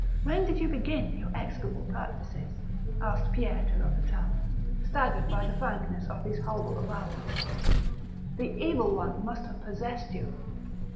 ''" When did you begin your execrable practices ?" asked Pierre de THospital, staggered by the frankness of these horrible avowals :" the evil one must have possessed you."